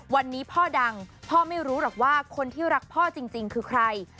วันนี้พ่อดังพ่อไม่รู้หรอกว่าคนที่รักพ่อจริงคือใคร